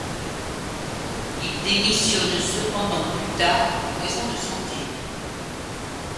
Il démissionne cependant plus tard pour raisons de santé.